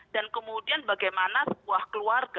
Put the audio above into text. kemudian bagaimana sebuah keluarga